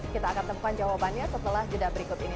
kita akan temukan jawabannya setelah jeda berikut ini